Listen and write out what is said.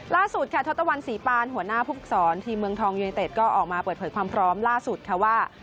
ล่าสุดค่ะทศตวรรษีปานหัวหน้าผู้ฝึกศรทีมเมืองทองยูเนเต็ดก็ออกมาเปิดเผยความพร้อมล่าสุดค่ะว่า